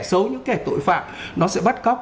xấu những cái tội phạm nó sẽ bắt cóc